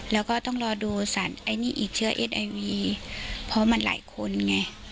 แล้วก็ต้องรอดูสารไอ้นี่อีกเชื้อเอสไอวีเพราะมันหลายคนไง